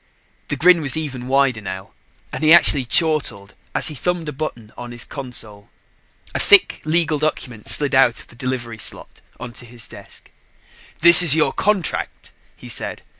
The grin was even wider now and he actually chortled as he thumbed a button on his console. A thick legal document slid out of the delivery slot onto his desk. "This is your contract," he said.